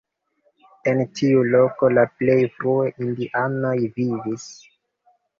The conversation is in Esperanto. En tiu loko la plej frue indianoj vivis.